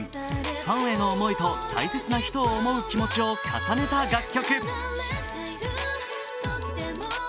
ファンへの思いと大切な人を思う気持ちを重ねた楽曲。